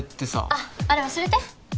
あっあれ忘れて。